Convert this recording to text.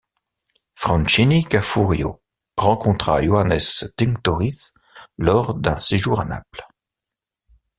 Franchini Gaffurio rencontra Johannes Tinctoris lors d'un séjour à Naples.